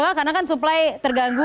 karena kan suplai terganggu